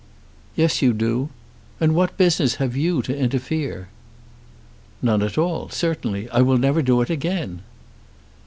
"Yes; you do. And what business have you to interfere?" "None at all; certainly. I will never do it again."